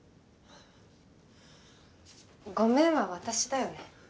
「ごめん」は私だよね。